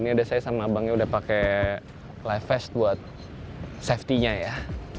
ini ada saya sama abangnya udah pakai life vest buat safety nya ya